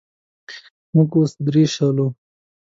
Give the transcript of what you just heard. موږ اوس درې شولو.